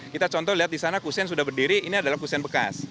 kita contoh lihat di sana kusen sudah berdiri ini adalah kusen bekas